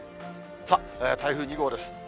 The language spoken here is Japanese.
さあ、台風２号です。